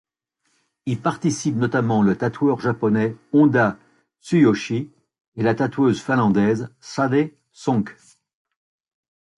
Y participent notamment le tatoueur japonais Honda Tsuyoshi et la tatoueuse finlandaise Säde Sonck.